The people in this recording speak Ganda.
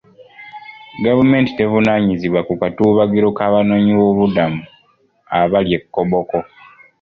Gavumenti tevunaanyizibwa ku katuubagiro k'abanoonyiboobubudamu abali e Koboko.